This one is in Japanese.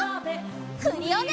クリオネ！